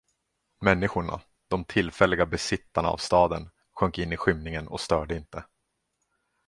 Människorna, de tillfälliga besittarna av staden, sjönk in i skymningen och störde inte.